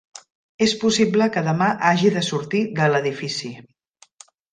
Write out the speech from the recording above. És possible que demà hagi de sortir de l'edifici.